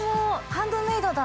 ハンドメイドだ。